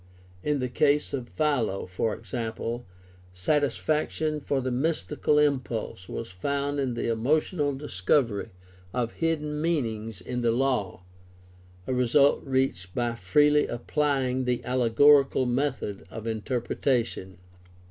In the case of Philo, for example, satisfaction for the mystical impulse was found in the emotional discovery of hidden meanings in the law — a result reached by freely applying the allegorical method of interpretation.